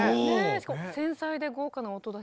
しかも繊細で豪華な音だし。